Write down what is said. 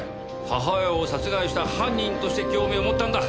母親を殺害した犯人として興味を持ったんだ！